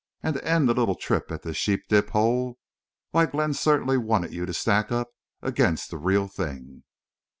And to end the little trip at this sheep dip hole! Why, Glenn certainly wanted you to stack up against the real thing!"